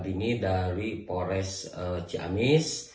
tidak ada yang berhasil menghubungi pelaku mutilasi di ciamis